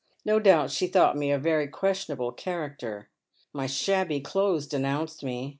No doubt she thought me a veiy questionable character. My shabby clothes denounced me.